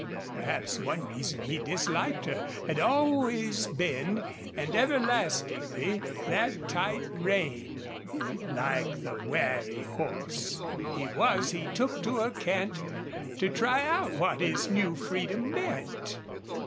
Perhaps one reason he disliked her had been always and everlastingly that tight rein. Like the wary horse he was he took to a canter, to try out what his new freedom meant.